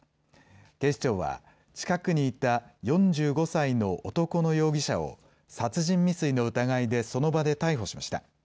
警視庁は近くにいた４５歳の男の容疑者を殺人未遂の疑いでその場で逮捕しました。